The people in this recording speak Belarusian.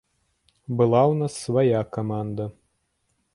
Была ў нас свая каманда.